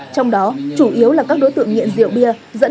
trong đó chủ yếu là các đối tượng nghiện rượu bia